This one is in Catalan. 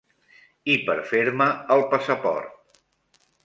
I per fer-me el passaport.